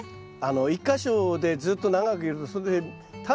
１か所でずっと長くいるとそれでタネがですね。